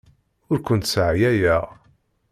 Ur kent-sseɛyayeɣ.